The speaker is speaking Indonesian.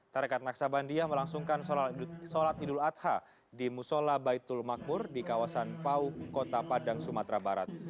tarekat naksabandia melangsungkan sholat idul adha di musola baitul makmur di kawasan pau kota padang sumatera barat